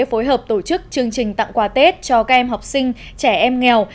phối hợp tổ chức chương trình tặng quà tết cho các em học sinh trẻ em nghèo